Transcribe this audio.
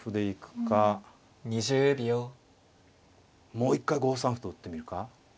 もう一回５三歩と打ってみるか。